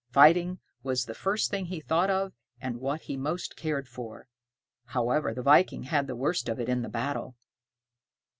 Fighting was the first thing he thought of, and what he most cared for. However, the viking had the worst of it in the battle.